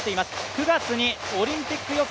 ９月にオリンピック予選